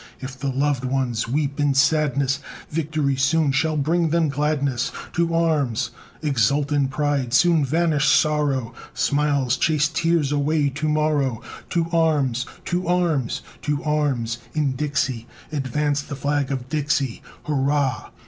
If the loved ones weep in sadness, Victory soon shall bring them gladness, To arms! Exultant pride soon vanish sorrow; Smiles chase tears away to morrow. To arms! To arms! To arms, in Dixie! Advance the flag of Dixie! Hurrah!